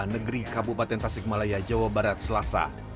negeri kabupaten tasikmalaya jawa barat selasa